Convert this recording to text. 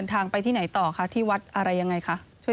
ใช่ครับ